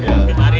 selamat malam ji